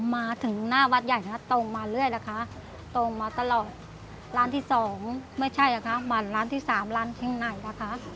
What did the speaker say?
มาถึงหน้าวัดใหญ่ตรงมาเรื่อยนะคะตรงมาตลอดร้านที่๒ไม่ใช่นะคะมาร้านที่๓ร้านที่ไหนนะคะ